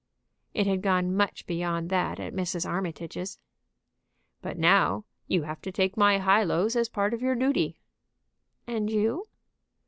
"It had gone much beyond that at Mrs. Armitage's." "But now you have to take my high lows as part of your duty." "And you?"